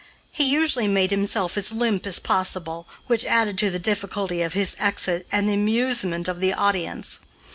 He usually made himself as limp as possible, which added to the difficulty of his exit and the amusement of the audience.